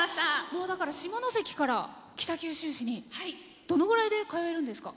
下関から北九州市にどのぐらいで通えるんですか？